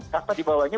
kasta di bawahnya